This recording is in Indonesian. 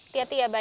tia tia abah ya